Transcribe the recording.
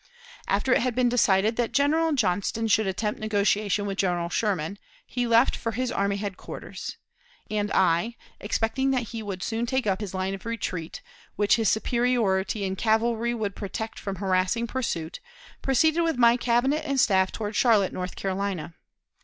After it had been decided that General Johnston should attempt negotiation with General Sherman, he left for his army headquarters; and I, expecting that he would soon take up his line of retreat, which his superiority in cavalry would protect from harassing pursuit, proceeded with my Cabinet and staff toward Charlotte, North Carolina.